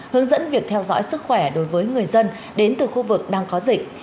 hướng dẫn việc theo dõi sức khỏe đối với người dân đến từ khu vực đang có dịch